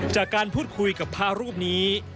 จากการพูดคุยกับพระรูปนี้